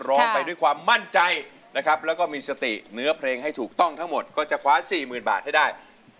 ร้องไปด้วยความมั่นใจนะครับแล้วก็มีสติเนื้อเพลงให้ถูกต้องทั้งหมดก็จะคว้าสี่หมื่นบาทให้ได้